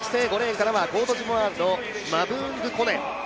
そして５レーンからはコートジボワールのマブーンドゥ・コネ。